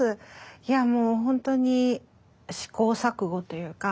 いやもう本当に試行錯誤というか。